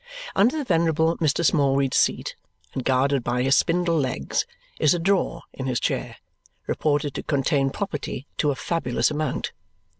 Under the venerable Mr. Smallweed's seat and guarded by his spindle legs is a drawer in his chair, reported to contain property to a fabulous amount.